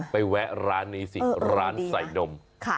แวะร้านนี้สิร้านใส่นม